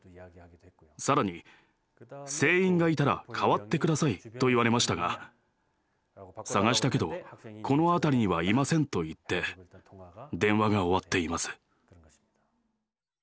更に「船員がいたら代わって下さい」と言われましたが「探したけどこの辺りにはいません」と言って電話が終わっています。